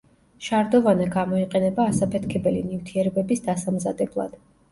შარდოვანა გამოიყენება ასაფეთქებელი ნივთიერებების დასამზადებლად.